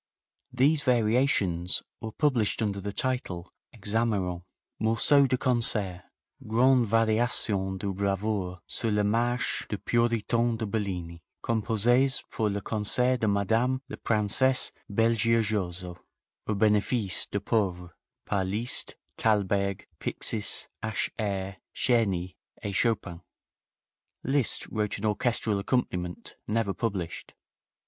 These variations were published under the title: "Hexameron: Morceau de Concert. Grandes Variations de bravoure sur la marche des Puritans de Bellini, composees pour le concert de Madame la Princesse Belgiojoso au benefice des pauvres, par MM. Liszt, Thalberg, Pixis, H. Herz, Czerny et Chopin." Liszt wrote an orchestral accompaniment, never published.